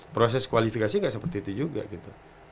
proses kualifikasi nggak seperti itu juga gitu